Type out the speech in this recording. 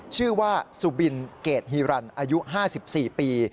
ชื่อว่าสุบินเกรดฮีรันอายุ๕๔ปี